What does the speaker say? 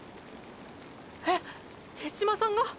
えっ手嶋さんが？